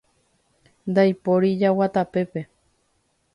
Ndaipóri jagua tapépe